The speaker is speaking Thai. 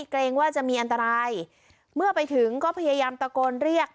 เกรงว่าจะมีอันตรายเมื่อไปถึงก็พยายามตะโกนเรียก